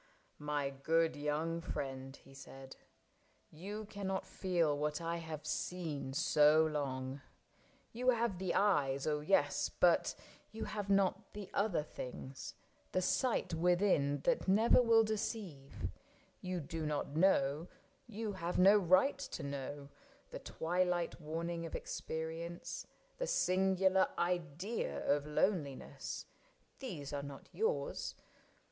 *' My good young friend," he said, " you cannot feel What I have seen so long. You have the eyes — Oh, yes — but you have not the other things : The sight within that never will deceive, You do not know — you have no right to know ; The twilight warning of experience. The singular idea of loneliness, — These are not yours.